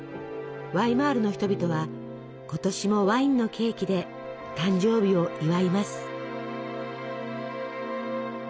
ワイマールの人々は今年もワインのケーキで誕生日を祝います。